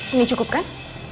ini cukup kan